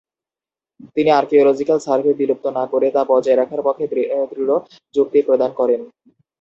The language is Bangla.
তিনি আর্কিওলজিক্যাল সার্ভে বিলুপ্ত না করে তা বজায় রাখার পক্ষে দৃঢ় যুক্তি প্রদান করেন।